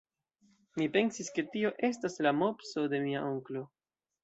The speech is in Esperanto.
Mi pensis, ke tio estas la mopso de mia onklo.